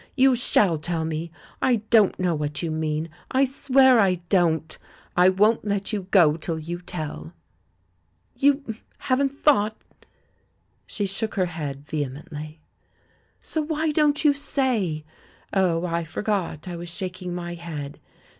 You shall tell me. I don't know what you mean — I swear I don't. I won't let you go till you tell." "You— haven't thought?" She shook her head vehemently. "So why don't you say? Oh, I forgot — I was shaking my head!